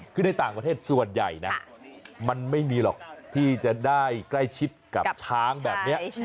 คือในต่างประเทศส่วนใหญ่นะมันไม่มีหรอกที่จะได้ใกล้ชิดกับช้างแบบนี้